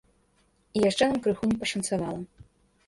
І яшчэ нам крыху не пашанцавала.